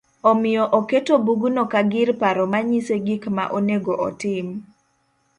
Omiyo oketo bugno ka gir paro ma nyise gik ma onego otim